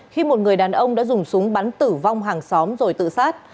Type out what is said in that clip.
khi một người đàn ông đã dùng súng bắn tử vong hàng xóm rồi tự sát